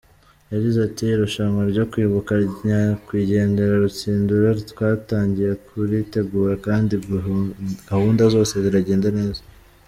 Yagize ati “Irushanwa ryo kwibuka nyakwigendera Rutsindura twatangiye kuritegura kandi gahunda zose ziragenda neza.